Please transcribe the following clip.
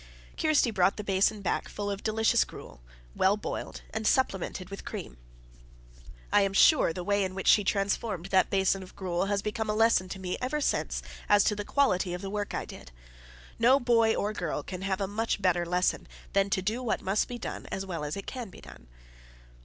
Kirsty brought the basin back full of delicious gruel, well boiled, and supplemented with cream. I am sure the way in which she transformed that basin of gruel has been a lesson to me ever since as to the quality of the work I did. No boy or girl can have a much better lesson than to do what must be done as well as it can be done.